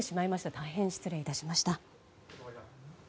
大変失礼いたしました。